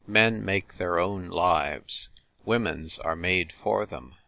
Men make their own lives, women's are made for them.